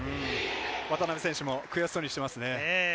渡邊選手も悔しそうにしていますね。